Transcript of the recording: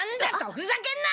ふざけんな！